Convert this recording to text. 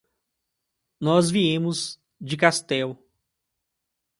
Nós viemos de Castell.